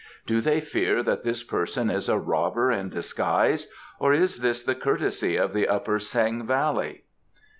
Do they fear that this person is a robber in disguise, or is this the courtesy of the Upper Seng valley?"